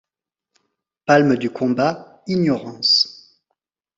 Palme du combat Ignorance !